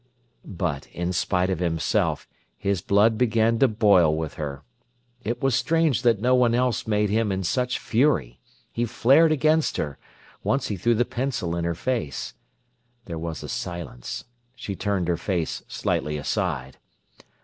But, in spite of himself, his blood began to boil with her. It was strange that no one else made him in such fury. He flared against her. Once he threw the pencil in her face. There was a silence. She turned her face slightly aside.